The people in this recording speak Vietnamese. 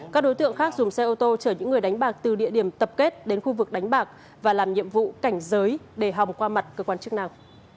các đối tượng khác dùng xe ô tô chở những người đánh bạc từ địa điểm tập kết đến khu vực đánh bạc và làm nhiệm vụ cảnh giới để hòng qua mặt cơ quan chức năng